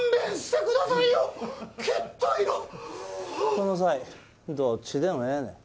この際どっちでもええねん。